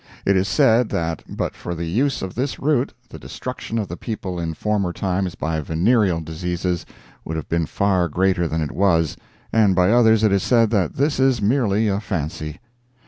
It is said that but for the use of this root the destruction of the people in former times by venereal diseases would have been far greater than it was, and by others it is said that this is merely a fancy.